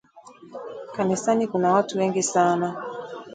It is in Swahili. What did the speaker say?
Kanisani kuna watu wengi sana